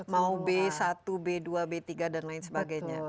mau b satu b dua b tiga dan lain sebagainya